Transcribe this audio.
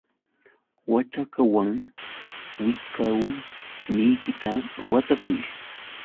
Waćhakawan wiqawniykita watakuy.